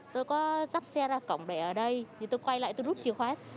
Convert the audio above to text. tôi có dắp xe ra cổng để ở đây thì tôi quay lại tôi rút chìa khóa